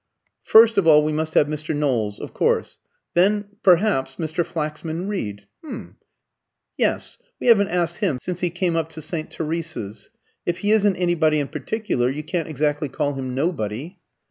First of all, we must have Mr. Knowles of course. Then perhaps Mr. Flaxman Reed. H'm yes; we haven't asked him since he came up to St. Teresa's. If he isn't anybody in particular, you can't exactly call him nobody."